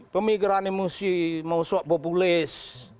pemikiran emosi mau sok populis